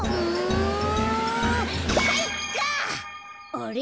あれ？